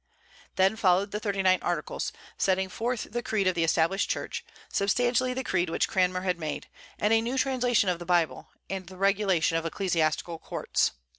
Then followed the Thirty nine Articles, setting forth the creed of the Established Church, substantially the creed which Cranmer had made, and a new translation of the Bible, and the regulation of ecclesiastical courts.